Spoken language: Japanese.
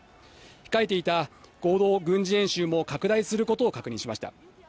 控えていた合同軍事演習も拡大することを確認しました。